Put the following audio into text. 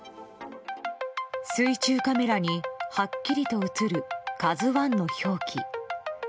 水中カメラにはっきりと映る「ＫＡＺＵ１」の表記。